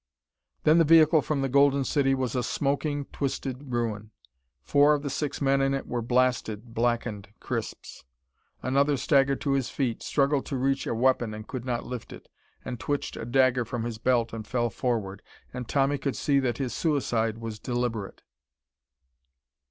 Then the vehicle from the Golden City was a smoking, twisted ruin. Four of the six men in it were blasted, blackened crisps. Another staggered to his feet, struggled to reach a weapon and could not lift it, and twitched a dagger from his belt and fell forward; and Tommy could see that his suicide was deliberate.